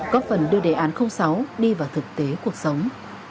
góp phần đưa đề án sáu đi vào thực tế cuộc sống